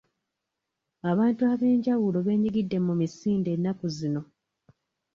Abantu ab'enjawulo beenyigidde mu misinde ennaku zino.